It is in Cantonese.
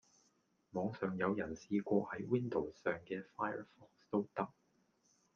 網上有人試過喺 Windows 上既 Firefox 都得